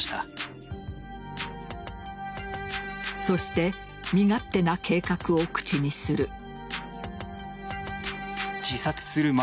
そして身勝手な計画を口にする。